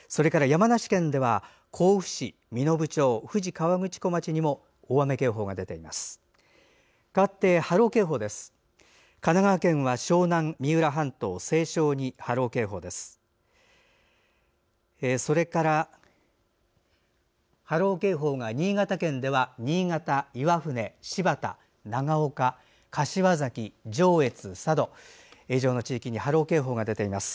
山梨県では甲府市富士河口湖町にも大雨警報が出ています。